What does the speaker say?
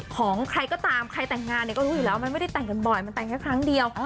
ของใครก็ตามใครแต่งงานเนี่ยก็รู้อยู่แล้วมันไม่ได้แต่งกันบ่อยมันแต่งแค่ครั้งเดียว